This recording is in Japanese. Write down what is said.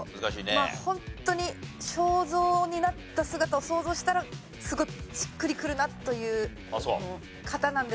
ホントに肖像になった姿を想像したらすごいしっくりくるなという方なんですが。